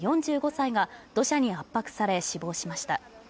４５歳が土砂に圧迫され死亡しました。